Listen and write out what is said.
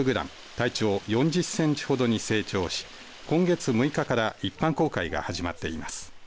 体長４０センチほどに成長し今月６日から一般公開が始まっています。